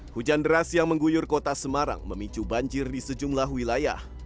hujan deras yang mengguyur kota semarang memicu banjir di sejumlah wilayah